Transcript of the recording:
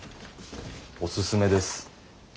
おすすめです。